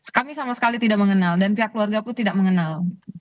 kami sama sekali tidak mengenal dan pihak keluarga pun tidak mengenal